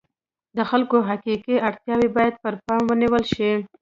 د خلکو حقیقي اړتیاوې باید پر پام ونیول شي.